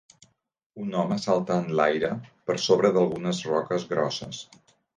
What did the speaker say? Un home salta enlaire per sobre d'algunes roques grosses.